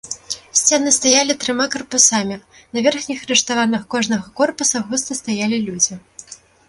Сцены стаялі трыма карпусамі, на верхніх рыштаваннях кожнага корпуса густа стаялі людзі.